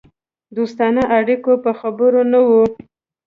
دوستانه اړیکو به خبر نه وو.